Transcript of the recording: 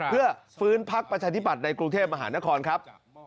เพื่อฟื้นพักประชาธิบัติในกรุงเทพมหานครครับ